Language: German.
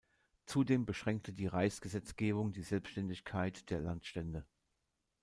Zudem beschränkte die Reichsgesetzgebung die Selbständigkeit der Landstände.